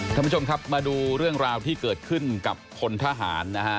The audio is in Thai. ท่านผู้ชมครับมาดูเรื่องราวที่เกิดขึ้นกับพลทหารนะฮะ